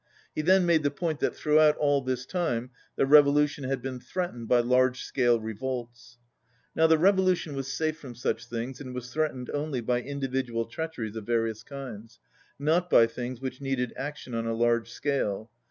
He then made the point that through out all this time the revolution had been threat ened by large scale revolts. Now the revolution was safe from such things and was threatened only by individual treacheries of various kinds, not by things which needed action on a large scale.